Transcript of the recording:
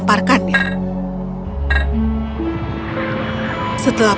mereka mencabut patung itu